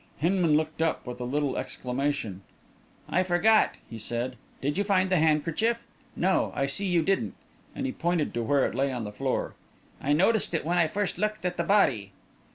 Hinman looked up with a little exclamation. "I forgot," he said. "Did you find the handkerchief? No, I see you didn't," and he pointed to where it lay on the floor. "I noticed it when I first looked at the body."